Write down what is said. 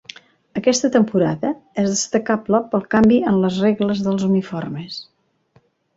Aquesta temporada és destacable pel canvi en les regles dels uniformes.